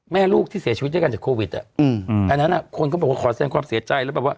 แม่ลูกที่เสียชีวิตด้วยกันจากโควิดอันนั้นคนพี่ก็บอกว่าขอแสนความเสียใจ